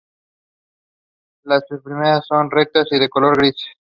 Las espinas son rectas y de color gris.